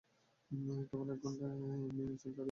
কেবল এক ঘণ্টা ধরে এমনি নিশ্চল দাঁড়িয়ে অপেক্ষা করেছি নিঃশব্দে।